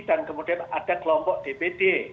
dan kemudian ada kelompok dpd